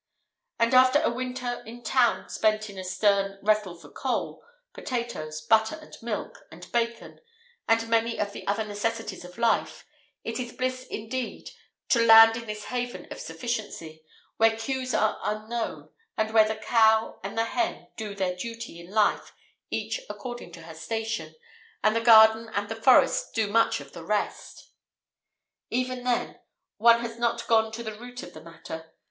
And after a winter in town spent in a stern wrestle for coal, potatoes, butter and milk and bacon and many of the other necessities of life, it is bliss indeed to land in this haven of sufficiency, where queues are unknown, and where the cow and the hen do their duty in life each according to her station, and the garden and the forests do much of the rest! Even then, one has not gone to the root of the matter.